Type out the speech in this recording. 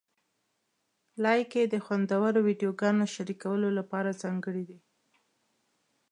لایکي د خوندورو ویډیوګانو شریکولو لپاره ځانګړی دی.